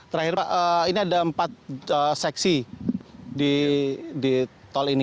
terakhir pak ini ada empat seksi di tol ini